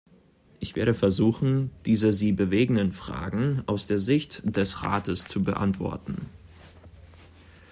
Ich werde versuchen, diese Sie bewegenden Fragen aus der Sicht des Rates zu beantworten.